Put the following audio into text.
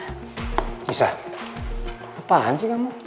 nisa apaan sih kamu